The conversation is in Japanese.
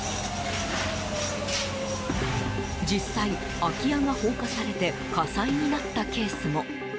実際、空き家が放火されて火災になったケースも。